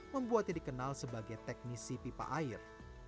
membuatnya dikenal sebagai teknisi pipa air